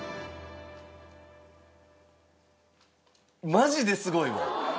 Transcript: マジですごいわ！